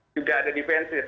juga ada defensif